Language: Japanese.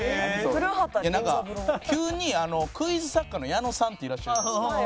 急にクイズ作家の矢野さんっていらっしゃるじゃないですか。